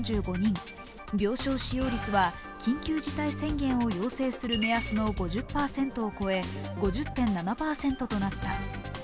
病床使用率は緊急事態宣言を要請する目安の５０％を超え、５０．７％となった。